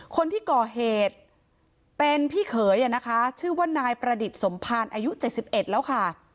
คนที่ก่อเหตุเป็นพี่เขยนะคะชื่อว่านายประดิษฐ์สมภารอายุ๗๑แล้วค่ะ